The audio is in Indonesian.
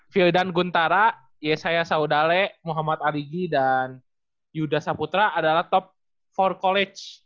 vildan guntara yesaya saudale muhammad aligi dan yuda saputra adalah top empat college